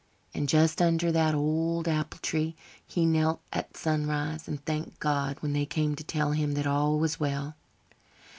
And just under that old apple tree he knelt at sunrise and thanked God when they came to tell him that all was well.